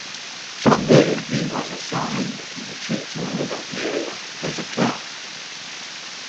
From there, he was assigned to the Churchill River area as a clerk.